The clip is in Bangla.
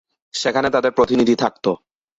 সেখানে তাদের প্রতিনিধি থাকত।